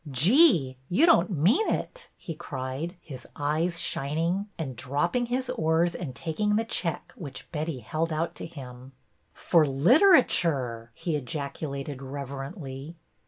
'' Gee, you don't mean it !" he cried, his eyes shining, and dropping his oars and taking the check which Betty held out to him. ''For Literature!" he ejaculated reverently.